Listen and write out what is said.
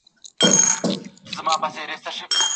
زما بڼه نه پوهېږم چي څنګه وه .